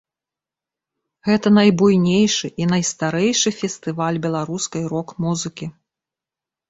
Гэта найбуйнейшы і найстарэйшы фестываль беларускай рок-музыкі.